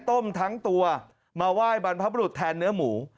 ต้มทั้งตัวมาไหว้บรรพบรุษแทนเนื้อหมู